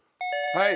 はい！